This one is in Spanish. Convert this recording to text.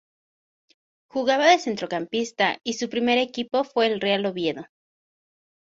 Jugaba de centrocampista y su primer equipo fue el Real Oviedo.